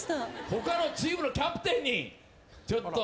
他のチームのキャプテンにちょっと。